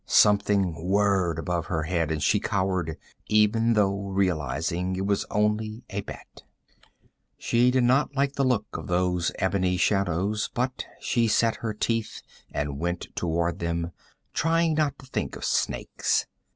Something whirred above her head and she cowered, even though realizing it was only a bat. She did not like the look of those ebony shadows, but she set her teeth and went toward them, trying not to think of snakes.